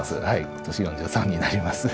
今年４３になります。